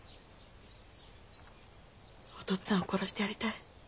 「お父っつぁんを殺してやりたい」。